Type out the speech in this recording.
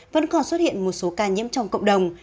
vẫn còn xuất hiện một số ca nhiễm trong cộng đồng